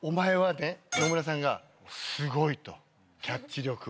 野村さんがすごいとキャッチ力は。